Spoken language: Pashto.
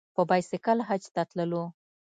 په بایسکل حج ته تللو.